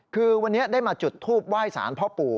คือวันนี้ได้มาจุดทูปไหว้สารพ่อปู่